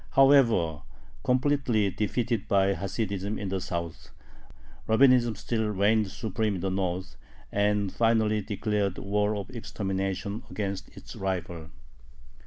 However, completely defeated by Hasidism in the South, Rabbinism still reigned supreme in the North, and finally declared a war of extermination against its rival.